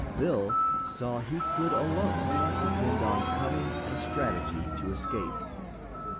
Bill saw he could alone depend on cunning and strategy to escape.